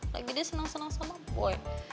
lagi deh senang senang sama boy